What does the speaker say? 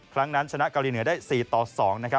ครั้งนั้นชนะเกาหลีเหนือได้๔ต่อ๒นะครับ